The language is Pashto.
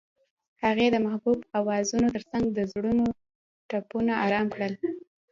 هغې د محبوب اوازونو ترڅنګ د زړونو ټپونه آرام کړل.